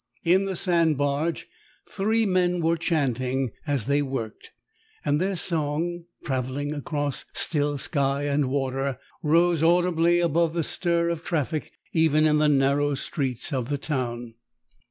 In the sand barge, three men were chanting as they worked; and their song, travelling across still sky and water, rose audibly above the stir of traffic even in the narrow streets of the town.